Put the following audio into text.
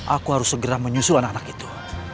aku harus segera menyusul anak anak itu